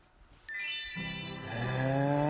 へえ。